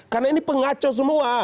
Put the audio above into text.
karena ini pengaco semua